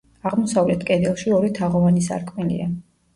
აღმოსავლეთ კედელში ორი თაღოვანი სარკმელია.